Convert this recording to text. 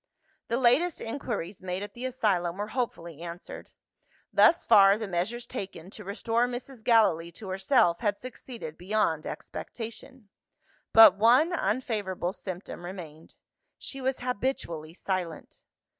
The latest inquiries made at the asylum were hopefully answered. Thus far, the measures taken to restore Mrs. Gallilee to herself had succeeded beyond expectation. But one unfavourable symptom remained. She was habitually silent.